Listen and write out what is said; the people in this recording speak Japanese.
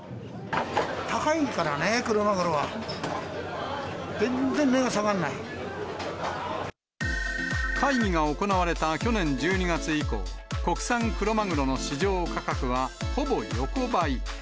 高いからね、クロマグロは。会議が行われた去年１２月以降、国産クロマグロの市場価格は、ほぼ横ばい。